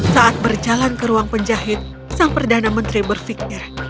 saat berjalan ke ruang penjahit sang perdana menteri berpikir